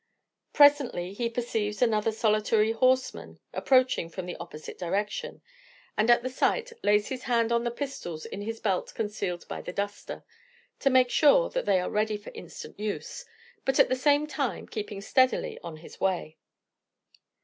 Presently he perceives another solitary horseman approaching from the opposite direction, and at the sight lays his hand on the pistols in his belt concealed by the duster, to make sure that they are ready for instant use; but at the same time keeping steadily on his way.